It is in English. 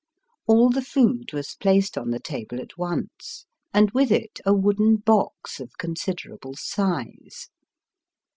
All the food was placed on the table at once, and with it a wooden box of consider able size.